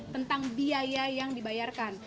tentang biaya yang dibayarkan